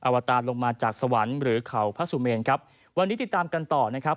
วตารลงมาจากสวรรค์หรือเขาพระสุเมนครับวันนี้ติดตามกันต่อนะครับ